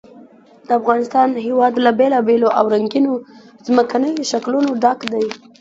د افغانستان هېواد له بېلابېلو او رنګینو ځمکنیو شکلونو ډک دی.